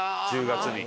１０月に。